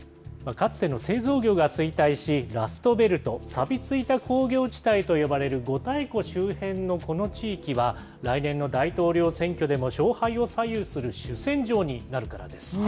かつての製造業が衰退し、ラストベルト・さび付いた工業地帯と呼ばれる五大湖周辺のこの地域は、来年の大統領選挙でも勝敗を左右する主戦場になるからです。